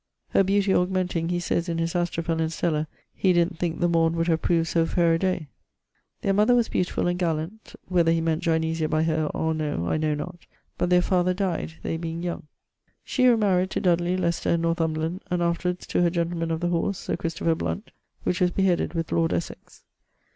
Her beauty augmenting, he sayes in his Astrophel and Stella, he didnt think 'the morn would have proved soe faire a daye.' Their mother was beautifull and gallant (whether he meant Ginesia by her or noe, I know not); but their father died, they being young. She remaried to Dudley, Leycester and Northumberland, and afterwards to her gentleman of the horse, Sir Cristopher Blunt, which was beheaded with lord Essex.